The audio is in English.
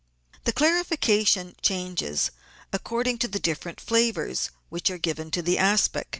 The clarification changes according to the different flavours which are to be given to the aspic.